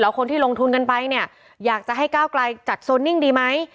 คนที่ลงทุนกันไปเนี่ยอยากจะให้ก้าวไกลจัดโซนนิ่งดีไหม